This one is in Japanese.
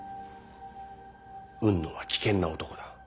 雲野は危険な男だ。